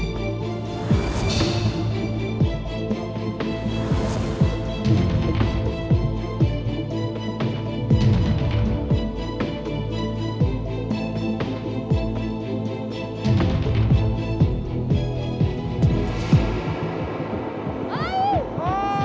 กลับบ้านคุณพลอยครับ